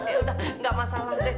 eh udah gak masalah teh